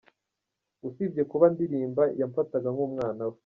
Usibye kuba ndirimba, yamfataga nk’umwana we.